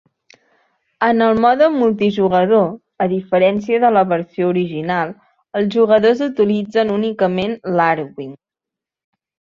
En el mode multijugador, a diferència de la versió original, els jugadors utilitzen únicament l'Arwing.